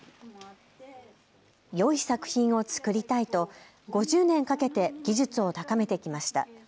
よい作品を作りたいと５０年かけて技術を高めてきました。